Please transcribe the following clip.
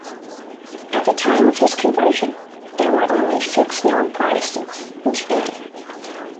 At the time of his conversion there were only six known Protestants in Japan.